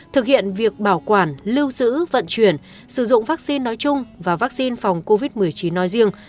thực hiện việc bảo quản lưu giữ vận chuyển sử dụng vaccine nói chung và vaccine phòng covid một mươi chín nói riêng